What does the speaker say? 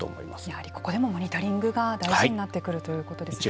やはりここでもモニタリングが大事になってくるということですね。